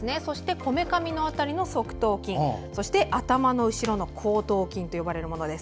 こめかみの辺りも側頭筋頭の後ろの後頭筋と呼ばれるものです。